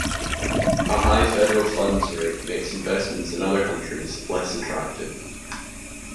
A high federal funds rate makes investments in other countries less attractive.